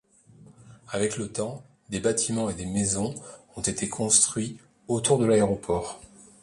Avec le temps, des bâtiments et des maisons ont été construits autour de l'aéroport.